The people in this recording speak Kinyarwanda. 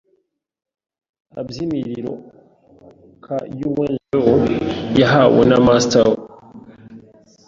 Abyinirriro ka Yuen Lo yahawe na Master we